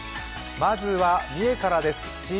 まずは三重からです。